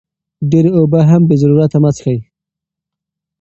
ډېرې اوبه هم بې ضرورته مه څښئ.